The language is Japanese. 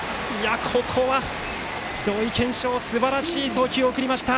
ここは土井研照がすばらしい送球を送りました！